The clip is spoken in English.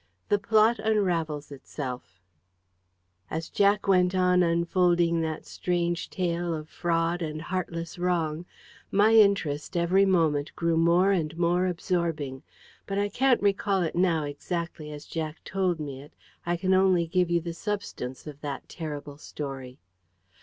THE PLOT UNRAVELS ITSELF As Jack went on unfolding that strange tale of fraud and heartless wrong, my interest every moment grew more and more absorbing. But I can't recall it now exactly as Jack told me it. I can only give you the substance of that terrible story.